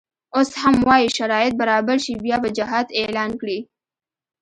اوس هم وایي شرایط برابر شي بیا به جهاد اعلان کړي.